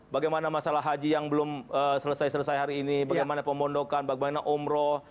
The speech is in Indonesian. bagaimana masalah haji yang belum selesai selesai hari ini bagaimana pemondokan bagaimana umroh